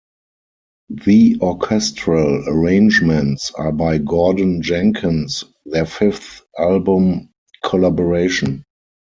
The orchestral arrangements are by Gordon Jenkins, their fifth album collaboration.